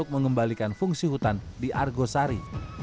mengembalikan fungsi hutan di argosari